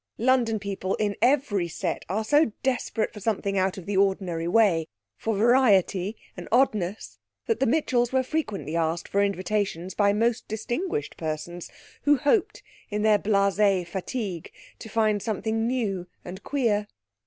London people in every set are so desperate for something out of the ordinary way, for variety and oddness, that the Mitchells were frequently asked for invitations by most distinguished persons who hoped, in their blasé fatigue, to meet something new and queer.